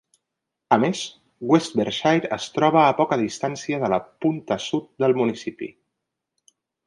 A més, West Berkshire es troba a poca distància de la punta sud-est del municipi.